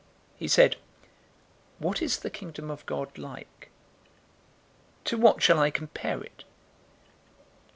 013:018 He said, "What is the Kingdom of God like? To what shall I compare it?